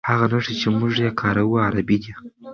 هغه نښې چې موږ یې کاروو عربي دي.